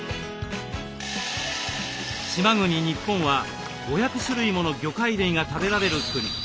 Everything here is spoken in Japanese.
島国日本は５００種類もの魚介類が食べられる国。